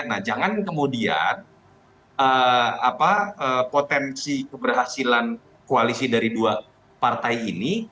nah jangan kemudian potensi keberhasilan koalisi dari dua partai ini